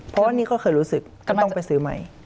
เพราะว่านี่ก็เคยรู้สึกก็ต้องไปซื้อใหม่